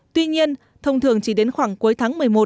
tuy nhiên thông thường chỉ đến khoảng cuối tháng một mươi một